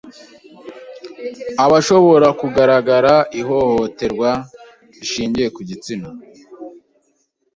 ahashobora kugaragara ihohoterwa rishingiye ku gitsina